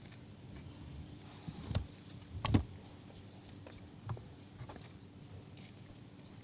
จะเป็นเพื่อนบันดาลย์ของทุกคน